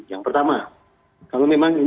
yang pertama kalau memang ini sungguh sungguh merupakan